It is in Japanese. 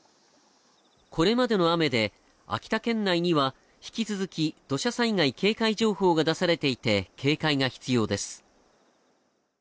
これまでの雨で秋田県内には引き続き土砂災害警戒情報が出されていて、警戒が必要です。